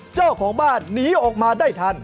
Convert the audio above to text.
เจ้าของบ้านหนีออกมาได้ทัน